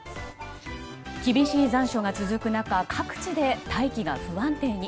厳しい残暑が続く中各地で大気が不安定に。